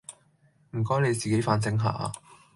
唔該你自己反省下